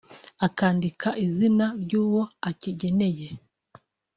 akandika izina ry’uwo akigeneye